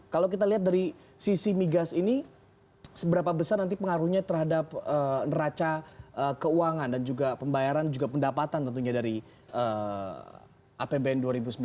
kalau kita lihat dari sisi migas ini seberapa besar nanti pengaruhnya terhadap neraca keuangan dan juga pembayaran juga pendapatan tentunya dari apbn dua ribu sembilan belas